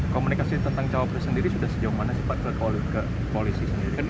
komunikasi tentang cawabat sendiri sudah sejauh mana sempat ke polisi sendiri